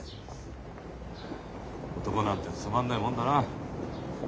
男なんてつまんないもんだな。